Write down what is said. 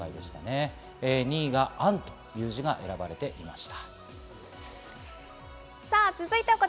２位が「安」という字が選ばれていました。